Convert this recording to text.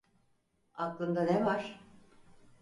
Aklında ne var?